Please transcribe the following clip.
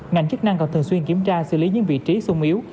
ngành chức năng còn thường xuyên kiểm tra xử lý những vị trí sung yếu